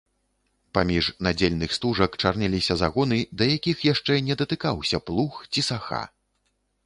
Паміж надзельных стужак чарнеліся загоны, да якіх яшчэ не датыкаўся плуг ці саха.